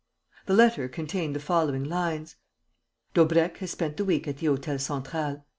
The letter contained the following lines: "Daubrecq has spent the week at the Hôtel Central.